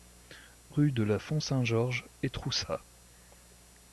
Rue de la Font Saint-Georges, Étroussat